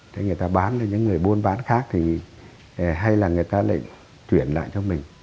thế người ta bán cho những người buôn bán khác thì hay là người ta lại chuyển lại cho mình